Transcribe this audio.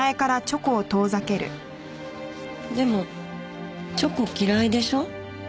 でもチョコ嫌いでしょ？